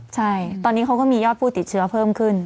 ใช่ตอนนี้เขาก็มียอดผู้ติดเชื้อเพิ่มขึ้น